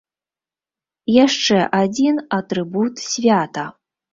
Яшчэ адзін атрыбут свята.